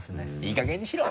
いいかげんにしろ！